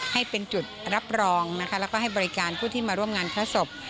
ให้เป็นจุดรับรองนะคะแล้วก็ให้บริการผู้ที่มาร่วมงานพระศพ